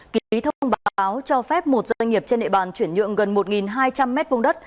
ký thông báo cho phép một doanh nghiệp trên nệ bàn chuyển nhượng gần một hai trăm linh mét vùng đất